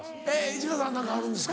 市川さん何かあるんですか？